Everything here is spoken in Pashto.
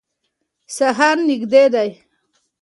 سهار نږدې دی.